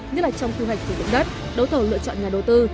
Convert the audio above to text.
như trong khu hành sử dụng đất đấu thầu lựa chọn nhà đầu tư